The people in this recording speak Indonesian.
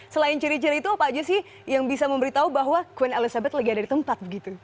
selain ciri ciri itu apa aja sih yang bisa memberitahu bahwa queen elizabeth lagi ada di tempat gitu